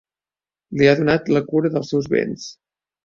Li ha donat la cura dels seus béns.